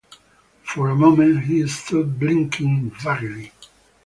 For a moment he stood blinking vaguely.